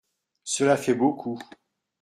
Cela fait beaucoup.